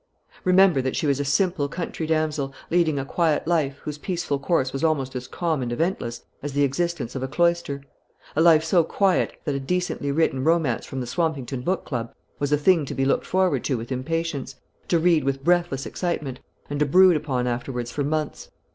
Remember that she was a simple country damsel, leading a quiet life, whose peaceful course was almost as calm and eventless as the existence of a cloister; a life so quiet that a decently written romance from the Swampington book club was a thing to be looked forward to with impatience, to read with breathless excitement, and to brood upon afterwards for months.